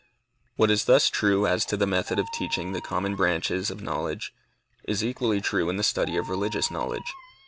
What is thus true as to the method of teaching the common branches of knowledge, is equally true in the study of religious knowledge.